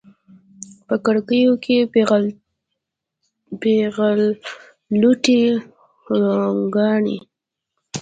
په کړکیو کې پیغلوټې روڼاګانې